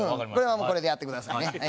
これはもうこれでやってくださいね。